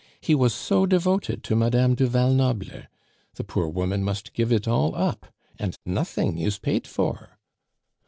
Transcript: He was so devoted to Madame du Val Noble! The poor woman must give it all up. And nothing is paid for."